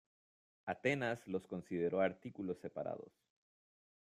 Atenas los consideró artículos separados.